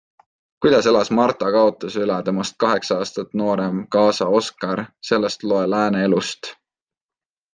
Kuidas elas Marta kaotuse üle temast kaheksa aastat noorem kaasa Oskar, sellest loe Lääne Elust.